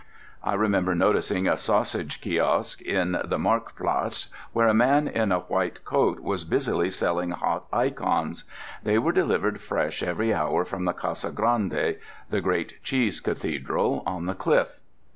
I remember noticing a sausage kiosk in the markt platz where a man in a white coat was busily selling hot icons. They are delivered fresh every hour from the Casa Grande (the great cheese cathedral) on the cliff.